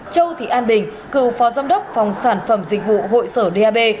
châu thị an bình cựu phó giám đốc phòng sản phẩm dịch vụ hội sở dap